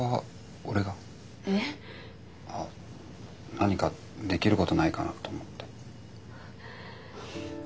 何かできることないかなと思って。